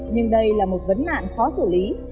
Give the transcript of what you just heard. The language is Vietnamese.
nhưng đây là một vấn nạn khó xử lý